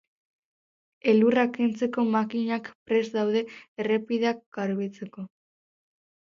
Elurra kentzeko makinak prest daude errepideak garbitzeko.